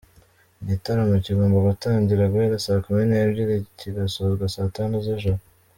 Igitaramo kigomba gutangira guhera saa kumi n’ebyiri kigasozwa saa tanu z’ijoro.